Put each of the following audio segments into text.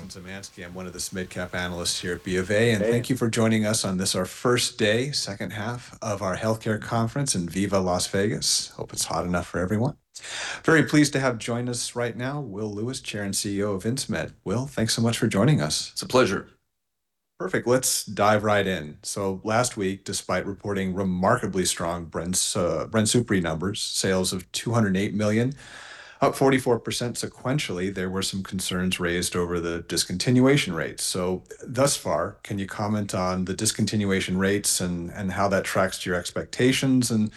Jason Zemansky. I'm one of the midcap analysts here at Bank of America. Thank you for joining us on this, our first day, second half of our healthcare conference in Viva Las Vegas. Hope it's hot enough for everyone. Very pleased to have join us right now, Will Lewis, Chair and CEO of Insmed. Will, thanks so much for joining us. It's a pleasure. Perfect. Let's dive right in. Last week, despite reporting remarkably strong BRINSUPRI numbers, sales of $208 million, up 44% sequentially, there were some concerns raised over the discontinuation rates. Thus far, can you comment on the discontinuation rates and how that tracks to your expectations and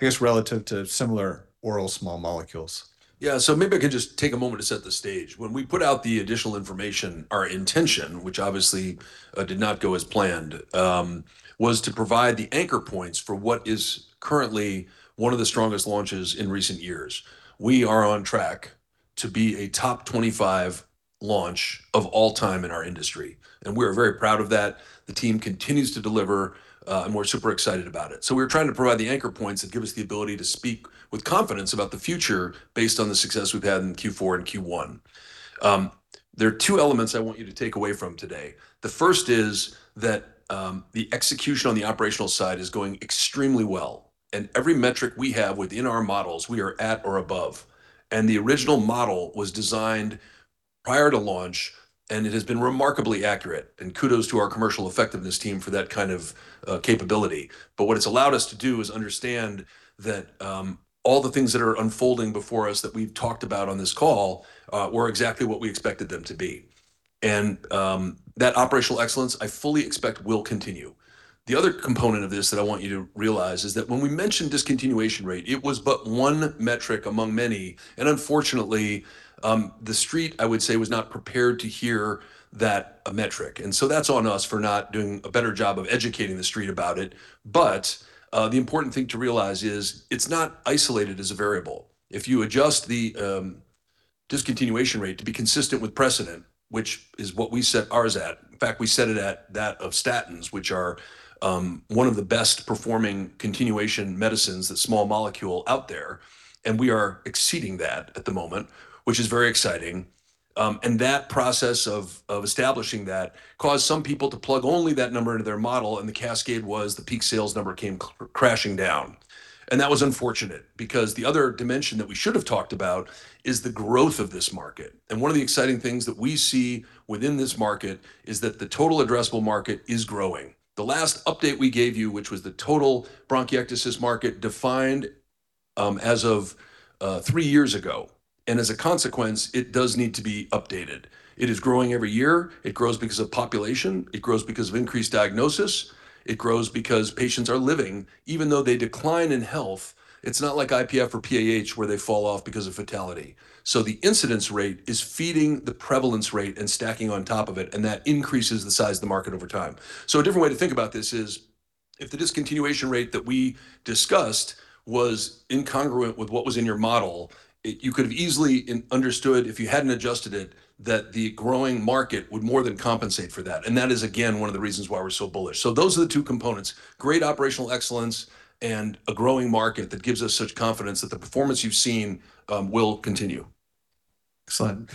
I guess relative to similar oral small molecules? Yeah. Maybe I could just take a moment to set the stage. When we put out the additional information, our intention, which obviously did not go as planned, was to provide the anchor points for what is currently one of the strongest launches in recent years. We are on track to be a top 25 launch of all time in our industry, and we're very proud of that. The team continues to deliver, and we're super excited about it. We're trying to provide the anchor points that give us the ability to speak with confidence about the future based on the success we've had in Q4 and Q1. There are two elements I want you to take away from today. The first is that, the execution on the operational side is going extremely well, and every metric we have within our models we are at or above. The original model was designed prior to launch, and it has been remarkably accurate, and kudos to our commercial effectiveness team for that kind of capability. What it's allowed us to do is understand that, all the things that are unfolding before us that we've talked about on this call, were exactly what we expected them to be. That operational excellence I fully expect will continue. The other component of this that I want you to realize is that when we mention discontinuation rate, it was but 1 metric among many, and unfortunately, the Wall Street, I would say, was not prepared to hear that metric. That's on us for not doing a better job of educating the Wall Street about it. The important thing to realize is it's not isolated as a variable. If you adjust the discontinuation rate to be consistent with precedent, which is what we set ours at, in fact we set it at that of statins, which are one of the best performing continuation medicines, the small molecule out there, and we are exceeding that at the moment, which is very exciting. That process of establishing that caused some people to plug only that number into their model, and the cascade was the peak sales number came crashing down. That was unfortunate, because the other dimension that we should have talked about is the growth of this market. One of the exciting things that we see within this market is that the total addressable market is growing. The last update we gave you, which was the total bronchiectasis market defined, as of three years ago, and as a consequence, it does need to be updated. It is growing every year. It grows because of population, it grows because of increased diagnosis. It grows because patients are living. Even though they decline in health, it's not like IPF or PAH where they fall off because of fatality. The incidence rate is feeding the prevalence rate and stacking on top of it, and that increases the size of the market over time. A different way to think about this is if the discontinuation rate that we discussed was incongruent with what was in your model, you could have easily understood if you hadn't adjusted it that the growing market would more than compensate for that, and that is again one of the reasons why we're so bullish. Those are the two components, great operational excellence and a growing market that gives us such confidence that the performance you've seen, will continue. Excellent.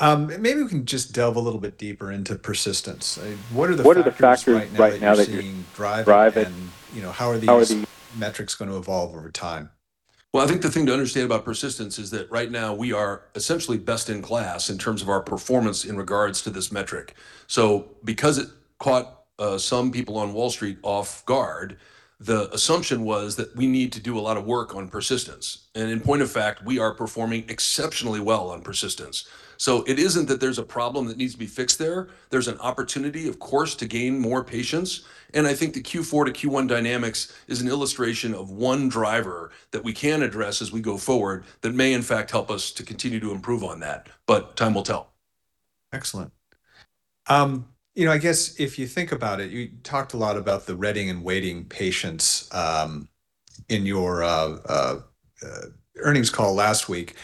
Maybe we can just delve a little bit deeper into persistence. What are the factors right now that you're seeing? What are the factors right now that you're seeing driving? You know, how are these metrics gonna evolve over time? I think the thing to understand about persistence is that right now we are essentially best in class in terms of our performance in regards to this metric. Because it caught some people on Wall Street off guard, the assumption was that we need to do a lot of work on persistence. In point of fact, we are performing exceptionally well on persistence. It isn't that there's a problem that needs to be fixed there. There's an opportunity, of course, to gain more patients, and I think the Q4-Q1 dynamics is an illustration of one driver that we can address as we go forward that may in fact help us to continue to improve on that, but time will tell. Excellent. You know, I guess if you think about it, you talked a lot about the ready and waiting patients in your earnings call last week.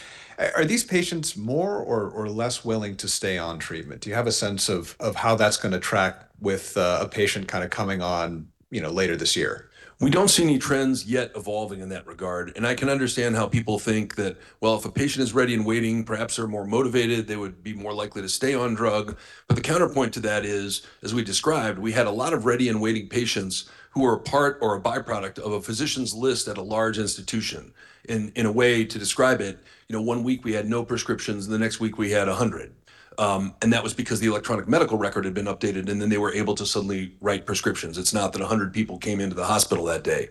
Are these patients more or less willing to stay on treatment? Do you have a sense of how that's gonna track with a patient kinda coming on, you know, later this year? We don't see any trends yet evolving in that regard. I can understand how people think that, well, if a patient is ready and waiting, perhaps they're more motivated, they would be more likely to stay on drug. The counterpoint to that is, as we described, we had a lot of ready and waiting patients who were a part or a byproduct of a physician's list at a large institution. In a way to describe it, you know, one week we had no prescriptions, and the next week we had 100. That was because the electronic medical record had been updated, and then they were able to suddenly write prescriptions. It's not that 100 people came into the hospital that day.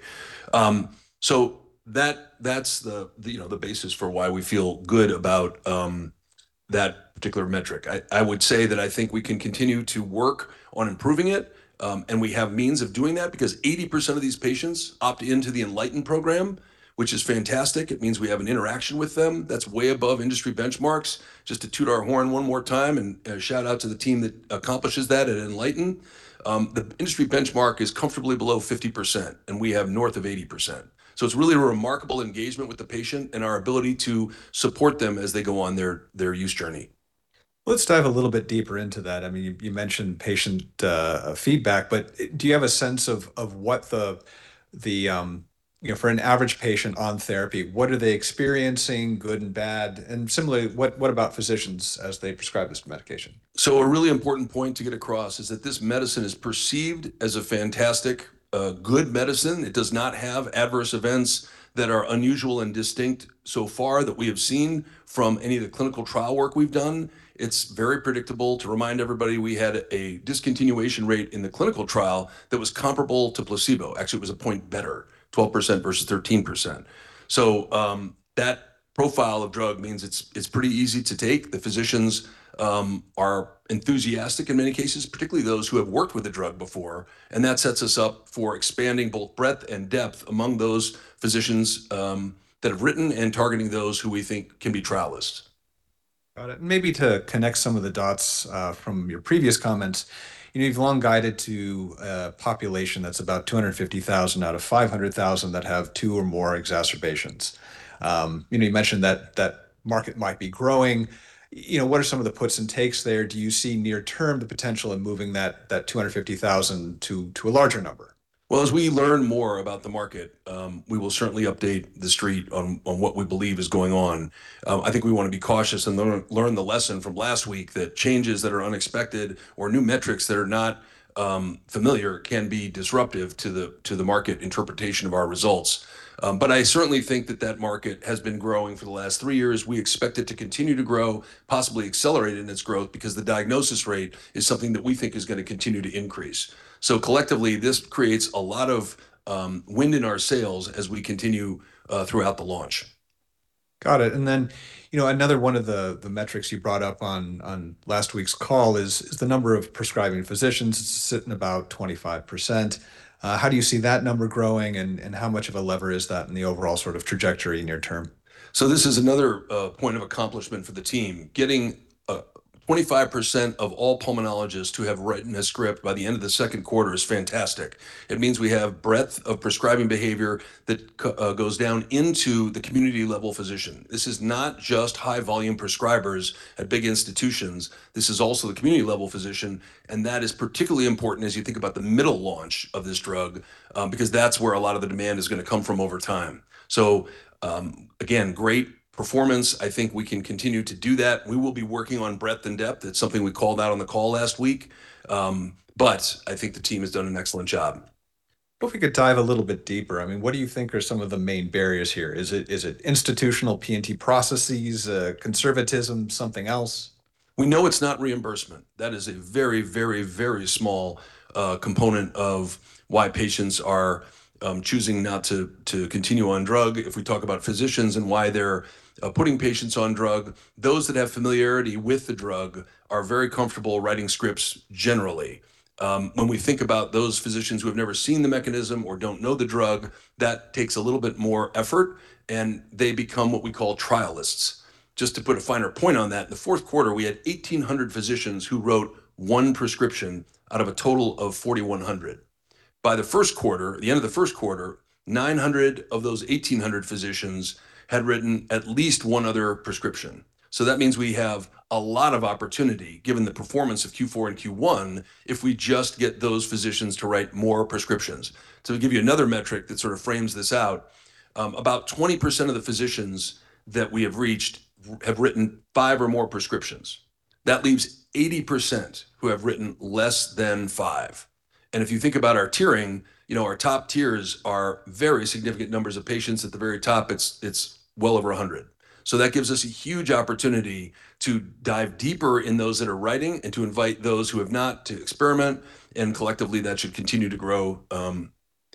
That, that's the, you know, the basis for why we feel good about that particular metric. I would say that I think we can continue to work on improving it. We have means of doing that because 80% of these patients opt into the inLighten Patient Support program, which is fantastic. It means we have an interaction with them. That's way above industry benchmarks, just to toot our horn one more time and shout out to the team that accomplishes that at inLighten Patient Support. The industry benchmark is comfortably below 50%. We have north of 80%. It's really a remarkable engagement with the patient and our ability to support them as they go on their use journey. Let's dive a little bit deeper into that. I mean, you mentioned patient feedback, but do you have a sense of what the, You know, for an average patient on therapy, what are they experiencing, good and bad? Similarly, what about physicians as they prescribe this medication? A really important point to get across is that this medicine is perceived as a fantastic, a good medicine. It does not have adverse events that are unusual and distinct so far that we have seen from any of the clinical trial work we've done. It's very predictable. To remind everybody, we had a discontinuation rate in the clinical trial that was comparable to placebo. Actually, it was a point better, 12% versus 13%. That profile of drug means it's pretty easy to take. The physicians are enthusiastic in many cases, particularly those who have worked with the drug before, and that sets us up for expanding both breadth and depth among those physicians that have written and targeting those who we think can be trialists. Got it. Maybe to connect some of the dots, from your previous comments, you know, you've long guided to a population that's about 250,000 out of 500,000 that have 2 or more exacerbations. You know, you mentioned that that market might be growing. You know, what are some of the puts and takes there? Do you see near term the potential in moving that 250,000 to a larger number? Well, as we learn more about the market, we will certainly update the street on what we believe is going on. I think we want to be cautious and learn the lesson from last week that changes that are unexpected or new metrics that are not familiar can be disruptive to the market interpretation of our results. I certainly think that market has been growing for the last three years. We expect it to continue to grow, possibly accelerated in its growth because the diagnosis rate is something that we think is gonna continue to increase. Collectively, this creates a lot of wind in our sails as we continue throughout the launch. Got it. you know, another one of the metrics you brought up on last week's call is the number of prescribing physicians sitting about 25%. How do you see that number growing and how much of a lever is that in the overall sort of trajectory near term? This is another point of accomplishment for the team. Getting 25% of all pulmonologists who have written a script by the end of the second quarter is fantastic. It means we have breadth of prescribing behavior that goes down into the community level physician. This is not just high volume prescribers at big institutions. This is also the community level physician, that is particularly important as you think about the middle launch of this drug, because that's where a lot of the demand is gonna come from over time. Again, great performance. I think we can continue to do that. We will be working on breadth and depth. It's something we called out on the call last week. I think the team has done an excellent job. If we could dive a little bit deeper, I mean, what do you think are some of the main barriers here? Is it institutional P&T processes, conservatism, something else? We know it's not reimbursement. That is a very, very, very small component of why patients are choosing not to continue on drug. If we talk about physicians and why they're putting patients on drug, those that have familiarity with the drug are very comfortable writing scripts generally. When we think about those physicians who have never seen the mechanism or don't know the drug, that takes a little bit more effort. They become what we call trialists. Just to put a finer point on that, the fourth quarter, we had 1,800 physicians who wrote one prescription out of a total of 4,100. By the first quarter, the end of the first quarter, 900 of those 1,800 physicians had written at least one other prescription. That means we have a lot of opportunity, given the performance of Q4-Q1, if we just get those physicians to write more prescriptions. To give you another metric that sort of frames this out, about 20% of the physicians that we have reached have written five or more prescriptions. That leaves 80% who have written less than five. If you think about our tiering, you know, our top tiers are very significant numbers of patients. At the very top, it's well over 100. That gives us a huge opportunity to dive deeper in those that are writing and to invite those who have not to experiment, and collectively that should continue to grow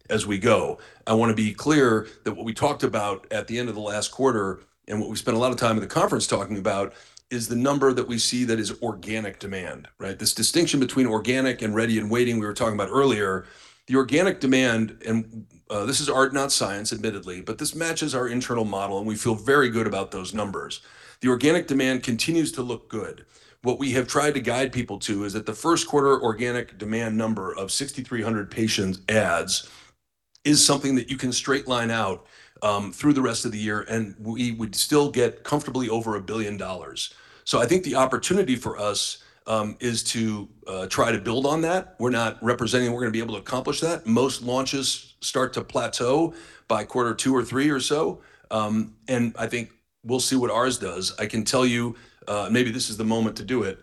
as we go. I want to be clear that what we talked about at the end of the last quarter and what we spent a lot of time at the conference talking about is the number that we see that is organic demand, right? This distinction between organic and ready and waiting we were talking about earlier. The organic demand, this is art, not science, admittedly, but this matches our internal model, and we feel very good about those numbers. The organic demand continues to look good. What we have tried to guide people to is that the first quarter organic demand number of 6,300 patients adds is something that you can straight line out through the rest of the year, and we would still get comfortably over $1 billion. I think the opportunity for us is to try to build on that. We're not representing we're gonna be able to accomplish that. Most launches start to plateau by quarter two or three or so, I think we'll see what ours does. I can tell you, maybe this is the moment to do it,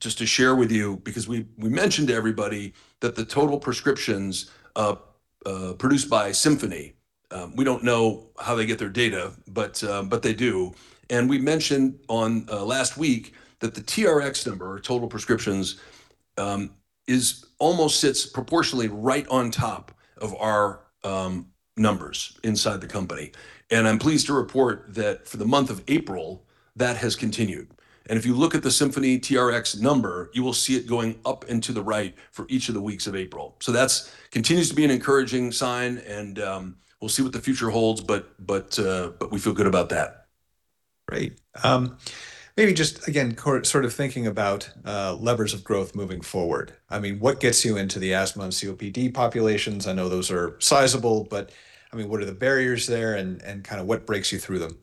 just to share with you because we mentioned to everybody that the total prescriptions produced by Symphony Health, we don't know how they get their data, they do. We mentioned on last week that the TRx number, total prescriptions, is almost sits proportionally right on top of our numbers inside the company. I'm pleased to report that for the month of April, that has continued. If you look at the Symphony TRx number, you will see it going up and to the right for each of the weeks of April. That continues to be an encouraging sign and, we'll see what the future holds, but we feel good about that. Great. maybe just again sort of thinking about levers of growth moving forward. I mean, what gets you into the asthma and COPD populations? I know those are sizable, but I mean, what are the barriers there and kind of what breaks you through them?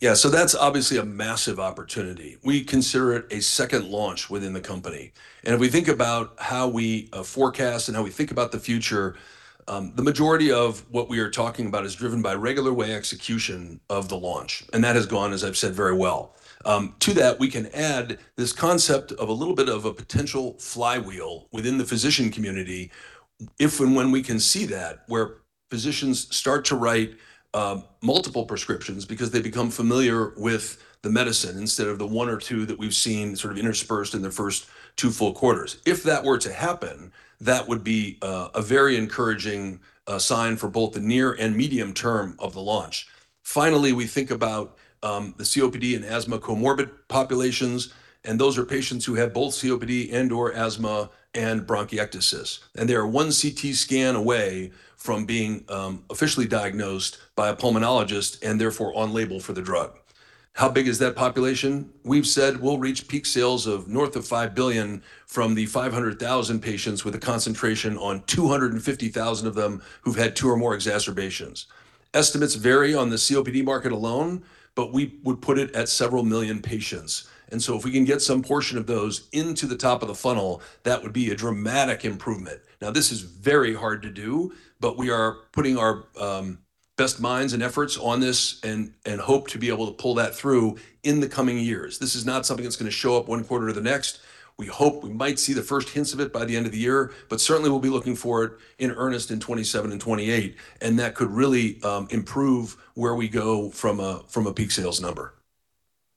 Yeah. That's obviously a massive opportunity. We consider it a second launch within the company. If we think about how we forecast and how we think about the future, the majority of what we are talking about is driven by regular way execution of the launch, and that has gone, as I've said, very well. To that, we can add this concept of a little bit of a potential flywheel within the physician community if and when we can see that, where physicians start to write multiple prescriptions because they become familiar with the medicine instead of the one or two that we've seen sort of interspersed in the first two full quarters. If that were to happen, that would be a very encouraging sign for both the near and medium term of the launch. Finally, we think about the COPD and asthma comorbid populations, and those are patients who have both COPD and or asthma and bronchiectasis, and they are one CT scan away from being officially diagnosed by a pulmonologist and therefore on label for the drug. How big is that population? We've said we'll reach peak sales of north of $5 billion from the 500,000 patients with a concentration on 250,000 of them who've had two or more exacerbations. Estimates vary on the COPD market alone; we would put it at several million patients. If we can get some portion of those into the top of the funnel, that would be a dramatic improvement. This is very hard to do, but we are putting our best minds and efforts on this and hope to be able to pull that through in the coming years. This is not something that's gonna show up 1 quarter to the next. We hope we might see the first hints of it by the end of the year, certainly we'll be looking for it in earnest in 2027 and 2028, and that could really improve where we go from a, from a peak sales number.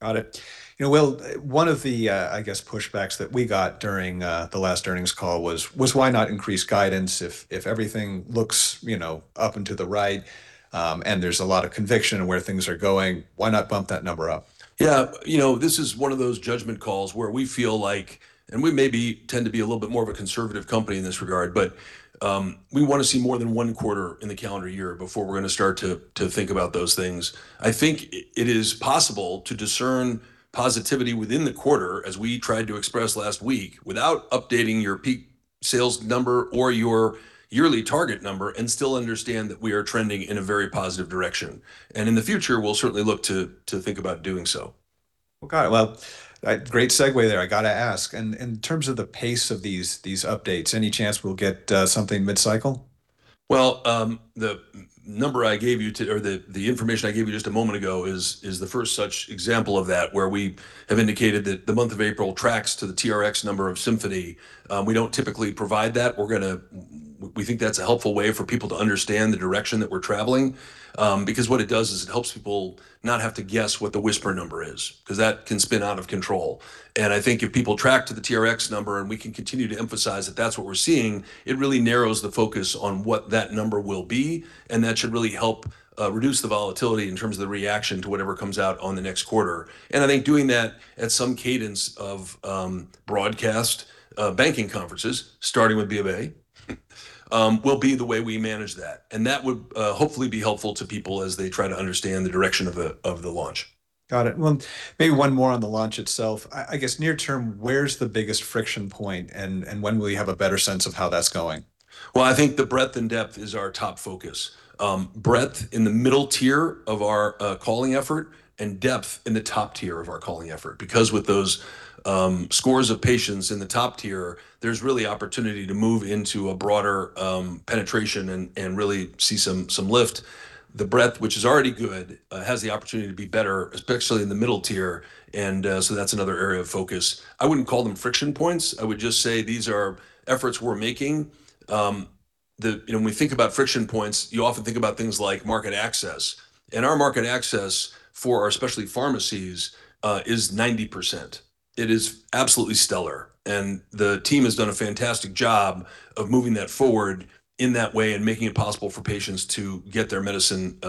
Got it. You know, Will, one of the, I guess pushbacks that we got during the last earnings call was why not increase guidance if everything looks, you know, up and to the right, and there's a lot of conviction in where things are going, why not bump that number up? Yeah. You know, this is one of those judgment calls where we feel like and we maybe tend to be a little bit more of a conservative company in this regard, but we wanna see more than one quarter in the calendar year before we're gonna start to think about those things. I think it is possible to discern positivity within the quarter as we tried to express last week, without updating your peak sales number or your yearly target number and still understand that we are trending in a very positive direction. In the future, we'll certainly look to think about doing so. Okay. Well, great segue there. I gotta ask, in terms of the pace of these updates, any chance we'll get something mid-cycle? The number I gave you or the information I gave you just a moment ago is the first such example of that, where we have indicated that the month of April tracks to the TRx number of Symphony. We don't typically provide that. We think that's a helpful way for people to understand the direction that we're traveling, because what it does is it helps people not have to guess what the whisper number is cause that can spin out of control. I think if people track to the TRx number and we can continue to emphasize that that's what we're seeing, it really narrows the focus on what that number will be, and that should really help reduce the volatility in terms of the reaction to whatever comes out on the next quarter. I think doing that at some cadence of broadcast, banking conferences, starting with B of A, will be the way we manage that. That would hopefully be helpful to people as they try to understand the direction of the launch. Got it. Well, maybe one more on the launch itself. I guess near term, where's the biggest friction point, and when will you have a better sense of how that's going? I think the breadth and depth is our top focus. Breadth in the middle tier of our calling effort and depth in the top tier of our calling effort. With those scores of patients in the top tier, there's really opportunity to move into a broader penetration and really see some lift. The breadth, which is already good, has the opportunity to be better, especially in the middle tier, that's another area of focus. I wouldn't call them friction points. I would just say these are efforts we're making. You know, when we think about friction points, you often think about things like market access, our market access for our specialty pharmacies is 90%. It is absolutely stellar. The team has done a fantastic job of moving that forward in that way and making it possible for patients to get their medicine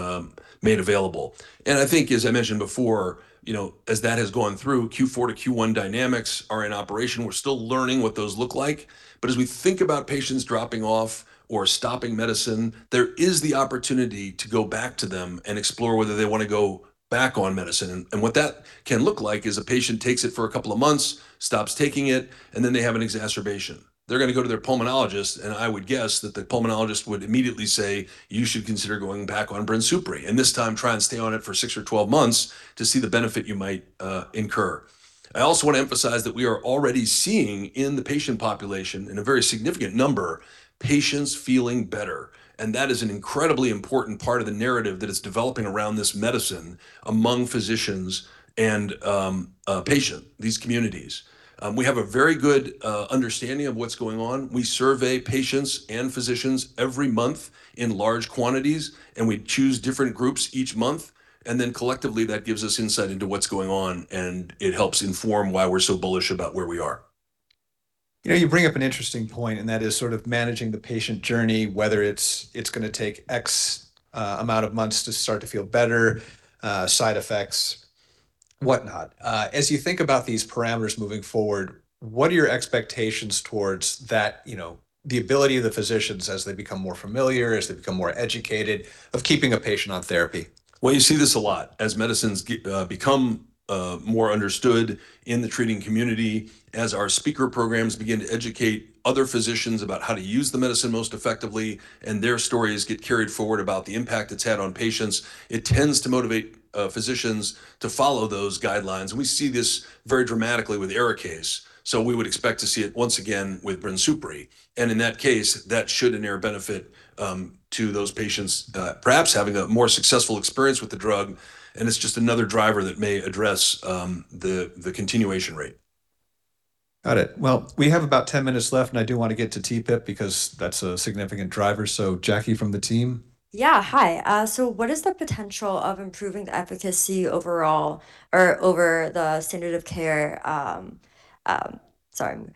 made available. I think, as I mentioned before, you know, as that has gone through Q4 to Q1, dynamics are in operation. We're still learning what those look like. As we think about patients dropping off or stopping medicine, there is the opportunity to go back to them and explore whether they wanna go back on medicine. What that can look like is a patient takes it for a couple of months, stops taking it, and then they have an exacerbation. They're gonna go to their pulmonologist, and I would guess that the pulmonologist would immediately say, "You should consider going back on BRINSUPRI, and this time try and stay on it for six or 12 months to see the benefit you might incur." I also want to emphasize that we are already seeing in the patient population, in a very significant number, patients feeling better, and that is an incredibly important part of the narrative that is developing around this medicine among physicians and patient, these communities. We have a very good understanding of what's going on. We survey patients and physicians every month in large quantities, and we choose different groups each month, and then collectively that gives us insight into what's going on, and it helps inform why we're so bullish about where we are. You know, you bring up an interesting point, and that is sort of managing the patient journey, whether it's gonna take X amount of months to start to feel better, side effects, whatnot. As you think about these parameters moving forward, what are your expectations towards that, you know, the ability of the physicians as they become more familiar, as they become more educated of keeping a patient on therapy? Well, you see this a lot. As medicines become more understood in the treating community, as our speaker programs begin to educate other physicians about how to use the medicine most effectively, their stories get carried forward about the impact it's had on patients, it tends to motivate physicians to follow those guidelines. We see this very dramatically with ARIKAYCE, we would expect to see it once again with BRINSUPRI. In that case, that should inure benefit to those patients, perhaps having a more successful experience with the drug, it's just another driver that may address the continuation rate. Got it. We have about 10 minutes left, and I do want to get to TPIP because that's a significant driver. Jackie from the team. Yeah, hi. What is the potential of improving the efficacy overall or over the standard of care? Treprostinil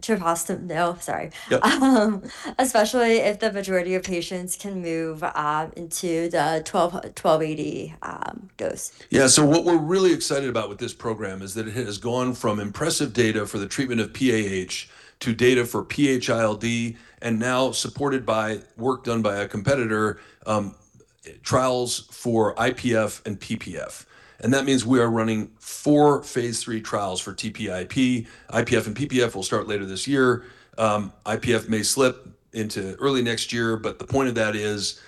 Treprostinil. Sorry. Yep. Especially if the majority of patients can move into the 1280 dose. Yeah. What we're really excited about with this program is that it has gone from impressive data for the treatment of PAH to data for PH-ILD, and now supported by work done by a competitor, trials for IPF and PPF. That means we are running four phase III trials for TPIP. IPF and PPF will start later this year. IPF may slip into early next year, but the point of that is,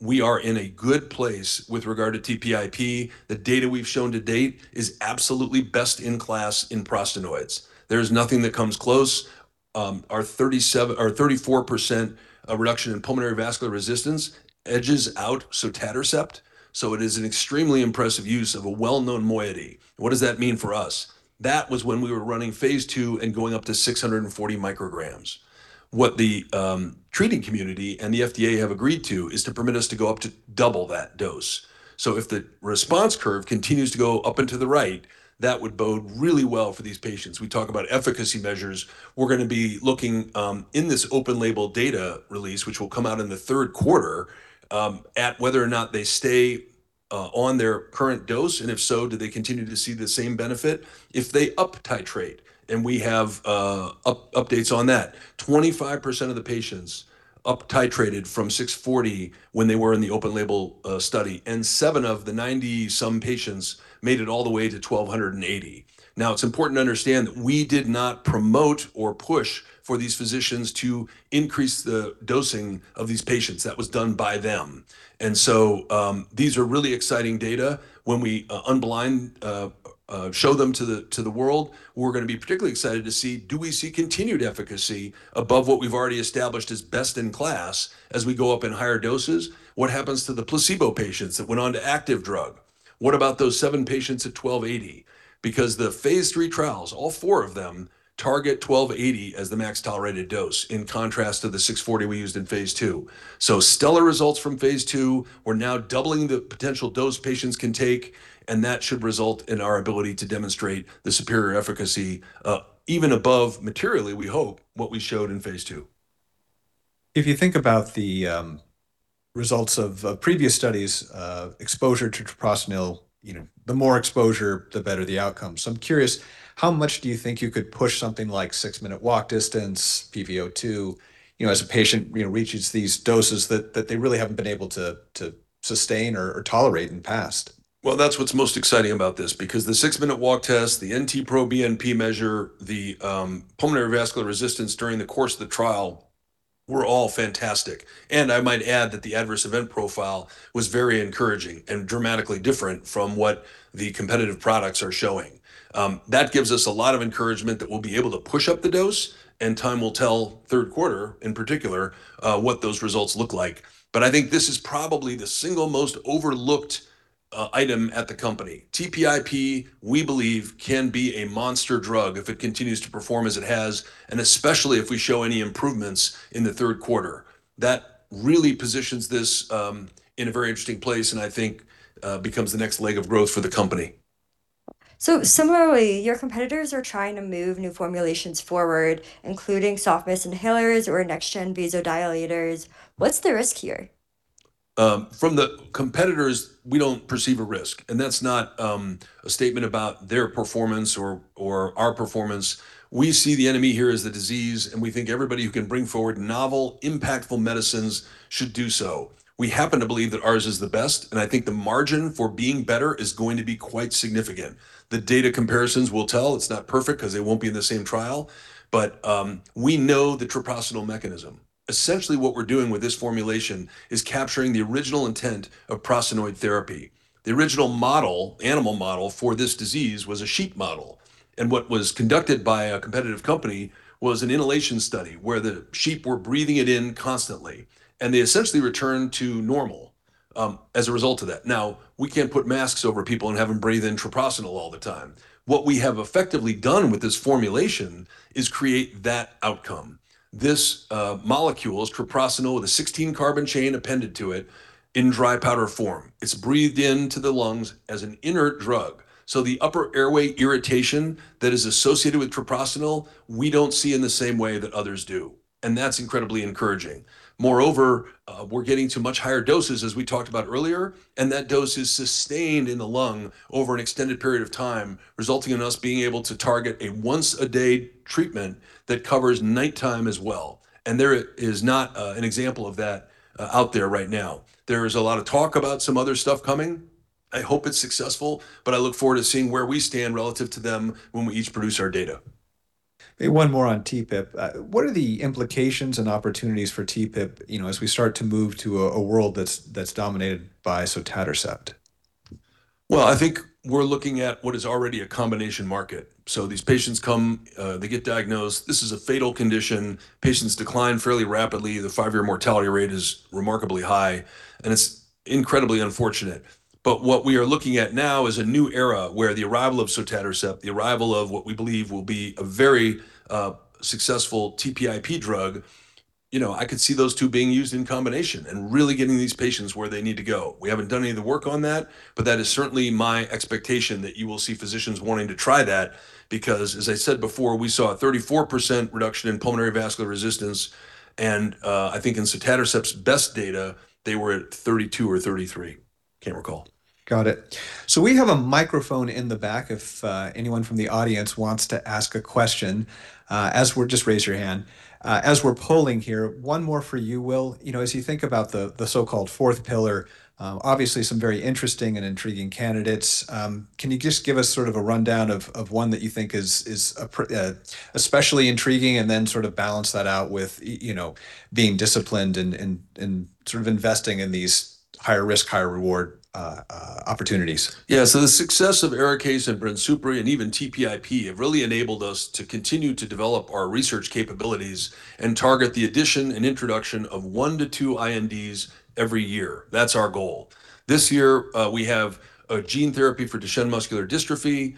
we are in a good place with regard to TPIP. The data we've shown to date is absolutely best in class in prostanoids. There's nothing that comes close. Our 34% of reduction in pulmonary vascular resistance edges out sotatercept, so it is an extremely impressive use of a well-known moiety. What does that mean for us? That was when we were running phase II and going up to 640 micrograms. What the treating community and the FDA have agreed to is to permit us to go up to double that dose. If the response curve continues to go up and to the right, that would bode really well for these patients. We talk about efficacy measures. We're gonna be looking in this open label data release, which will come out in the third quarter, at whether or not they stay on their current dose, and if so, do they continue to see the same benefit if they uptitrate. We have updates on that. 25% of the patients uptitrated from 640 when they were in the open label study, seven of the 90 some patients made it all the way to 1,280. It's important to understand that we did not promote or push for these physicians to increase the dosing of these patients. That was done by them. These are really exciting data. When we unblind, show them to the world, we're gonna be particularly excited to see, do we see continued efficacy above what we've already established as best in class as we go up in higher doses? What happens to the placebo patients that went on to active drug? What about those seven patients at 1,280? The phase III trials, all four of them, target 1,280 as the max tolerated dose, in contrast to the 640 we used in phase II. Stellar results from phase II. We're now doubling the potential dose patients can take, and that should result in our ability to demonstrate the superior efficacy, even above materially, we hope, what we showed in phase II. If you think about the results of previous studies, exposure to treprostinil, you know, the more exposure, the better the outcome. I'm curious, how much do you think you could push something like six-minute walk distance, pVO2, you know, as a patient, you know, reaches these doses that they really haven't been able to sustain or tolerate in past? Well, that's what's most exciting about this because the six-minute walk test, the NT-proBNP measure, the pulmonary vascular resistance during the course of the trial were all fantastic. I might add that the adverse event profile was very encouraging and dramatically different from what the competitive products are showing. That gives us a lot of encouragement that we'll be able to push up the dose, and time will tell third quarter in particular what those results look like. I think this is probably the single most overlooked item at the company. TPIP, we believe, can be a monster drug if it continues to perform as it has, and especially if we show any improvements in the third quarter. That really positions this in a very interesting place and I think becomes the next leg of growth for the company. Similarly, your competitors are trying to move new formulations forward, including soft mist inhalers or next gen vasodilators. What's the risk here? From the competitors, we don't perceive a risk, and that's not a statement about their performance or our performance. We see the enemy here as the disease, and we think everybody who can bring forward novel, impactful medicines should do so. We happen to believe that ours is the best, and I think the margin for being better is going to be quite significant. The data comparisons will tell it's not perfect cause they won't be in the same trial. We know the treprostinil mechanism. Essentially what we're doing with this formulation is capturing the original intent of prostanoid therapy. The original model, animal model for this disease was a sheep model, and what was conducted by a competitive company was an inhalation study where the sheep were breathing it in constantly, and they essentially returned to normal as a result of that. Now, we can't put masks over people and have them breathe in treprostinil all the time. What we have effectively done with this formulation is create that outcome. This molecule's treprostinil with a 16 carbon chain appended to it in dry powder form. It's breathed into the lungs as an inert drug. The upper airway irritation that is associated with treprostinil, we don't see in the same way that others do, and that's incredibly encouraging. Moreover, we're getting to much higher doses, as we talked about earlier, and that dose is sustained in the lung over an extended period of time, resulting in us being able to target a once a day treatment that covers nighttime as well. There is not an example of that out there right now. There is a lot of talk about some other stuff coming. I hope it's successful, but I look forward to seeing where we stand relative to them when we each produce our data. Maybe one more on TPIP. What are the implications and opportunities for TPIP, you know, as we start to move to a world that's dominated by sotatercept? I think we're looking at what is already a combination market. These patients come, they get diagnosed. This is a fatal condition. Patients decline fairly rapidly. The 5-year mortality rate is remarkably high, and it's incredibly unfortunate. What we are looking at now is a new era where the arrival of sotatercept, the arrival of what we believe will be a very successful TPIP drug, you know, I could see those two being used in combination and really getting these patients where they need to go. We haven't done any of the work on that, but that is certainly my expectation, that you will see physicians wanting to try that because, as I said before, we saw a 34% reduction in pulmonary vascular resistance, and I think in sotatercept's best data, they were at 32 or 33. Can't recall. Got it. We have a microphone in the back if anyone from the audience wants to ask a question. Just raise your hand. As we're polling here, one more for you, Will. You know, as you think about the so-called fourth pillar, obviously some very interesting and intriguing candidates, can you just give us sort of a rundown of one that you think is especially intriguing, and then sort of balance that out with you know, being disciplined and sort of investing in these higher risk, higher reward opportunities? The success of ARIKAYCE and brensocatib and even TPIP have really enabled us to continue to develop our research capabilities and target the addition and introduction of 1 to 2 INDs every year. That's our goal. This year, we have a gene therapy for Duchenne muscular dystrophy,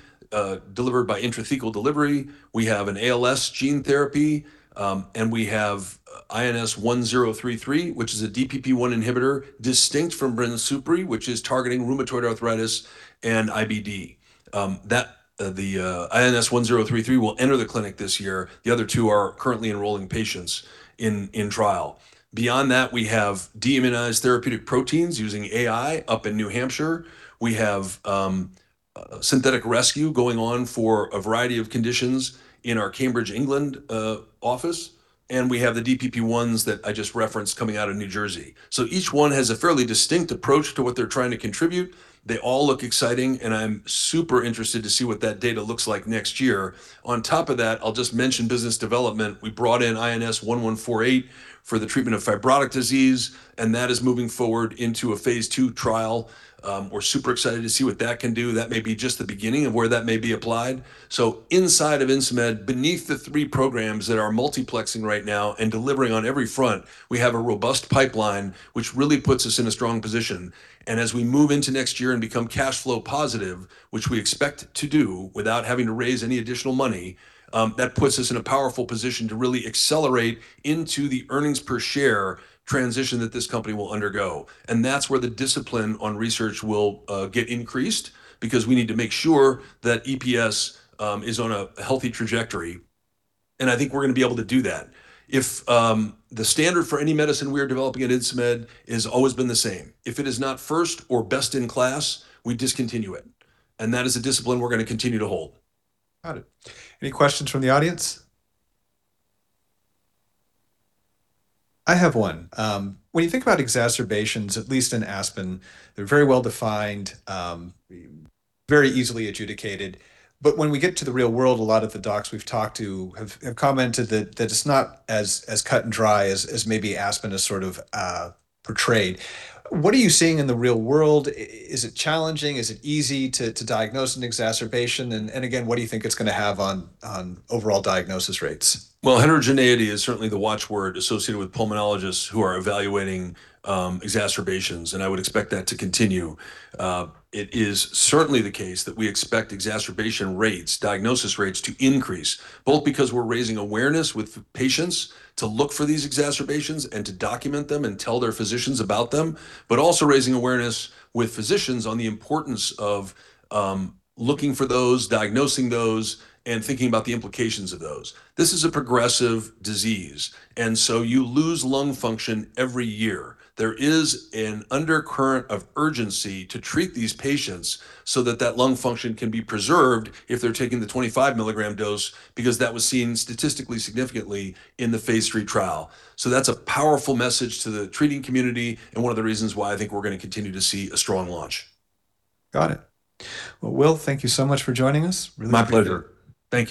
delivered by intrathecal delivery. We have an ALS gene therapy, and we have INS1033, which is a DPP1 inhibitor distinct from brensocatib, which is targeting rheumatoid arthritis and IBD. That the INS1033 will enter the clinic this year. The other two are currently enrolling patients in trial. Beyond that, we have deimmunized therapeutic proteins using AI up in New Hampshire. We have synthetic rescue going on for a variety of conditions in our Cambridge, England, office, and we have the DPP1s that I just referenced coming out of New Jersey. Each one has a fairly distinct approach to what they're trying to contribute. They all look exciting, and I'm super interested to see what that data looks like next year. On top of that, I'll just mention business development. We brought in INS1148 for the treatment of fibrotic disease, and that is moving forward into a phase II trial. We're super excited to see what that can do. That may be just the beginning of where that may be applied. Inside of Insmed, beneath the three programs that are multiplexing right now and delivering on every front, we have a robust pipeline which really puts us in a strong position. As we move into next year and become cash flow positive, which we expect to do without having to raise any additional money, that puts us in a powerful position to really accelerate into the earnings per share transition that this company will undergo, and that's where the discipline on research will get increased because we need to make sure that EPS is on a healthy trajectory, and I think we're gonna be able to do that. The standard for any medicine we are developing at Insmed has always been the same. If it is not first or best in class, we discontinue it, and that is a discipline we're gonna continue to hold. Got it. Any questions from the audience? I have one. When you think about exacerbations, at least in ASPEN, they're very well defined, very easily adjudicated. When we get to the real world, a lot of the docs we've talked to have commented that it's not as cut and dry as maybe ASPEN is sort of portrayed. What are you seeing in the real world? Is it challenging? Is it easy to diagnose an exacerbation? Again, what do you think it's gonna have on overall diagnosis rates? Heterogeneity is certainly the watch word associated with pulmonologists who are evaluating exacerbations, and I would expect that to continue. It is certainly the case that we expect exacerbation rates, diagnosis rates to increase, both because we're raising awareness with patients to look for these exacerbations and to document them and tell their physicians about them, but also raising awareness with physicians on the importance of looking for those, diagnosing those, and thinking about the implications of those. This is a progressive disease, and so you lose lung function every year. There is an undercurrent of urgency to treat these patients so that that lung function can be preserved if they're taking the 25 milligram dose because that was seen statistically significantly in the phase III trial. That's a powerful message to the treating community and one of the reasons why I think we're going to continue to see a strong launch. Got it. Well, Will, thank you so much for joining us. Really appreciate it. My pleasure. Thank you.